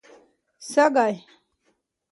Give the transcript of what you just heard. سږی